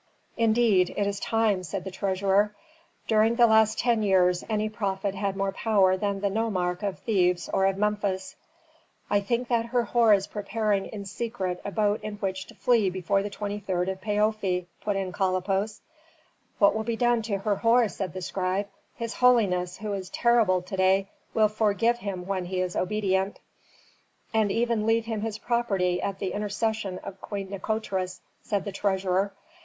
"Indeed it is time," said the treasurer. "During the last ten years any prophet had more power than the nomarch of Thebes or of Memphis." "I think that Herhor is preparing in secret a boat in which to flee before the 23d of Paofi," put in Kalippos. "What will be done to Herhor?" said the scribe. "His holiness, who is terrible to day, will forgive him when he is obedient." "And even leave him his property at the intercession of Queen Nikotris," said the treasurer.